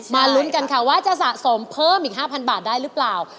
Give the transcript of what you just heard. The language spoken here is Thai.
ลุ้นกันค่ะว่าจะสะสมเพิ่มอีก๕๐๐บาทได้หรือเปล่า